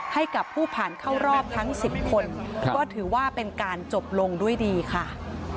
ให้กับผู้ผ่านเข้ารอบทั้ง๑๐คนก็ถือว่าเป็นการจบลงด้วยดีค่ะ